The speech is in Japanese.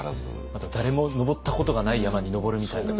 まだ誰も登ったことがない山に登るみたいな。